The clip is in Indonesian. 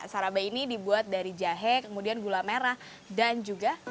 sarabe ini dibuat dari jahe kemudian gula merah dan juga